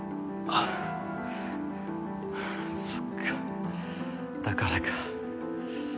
はぁそっかだからか。